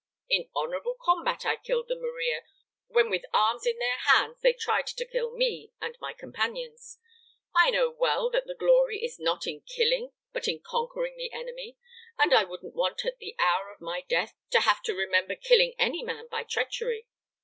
In honorable combat I killed them, Maria, when with arms in their hands they tried to kill me and my companions. I know well that the glory is not in killing but in conquering the enemy, and I wouldn't want at the hour of my death to have to remember killing any man by treachery.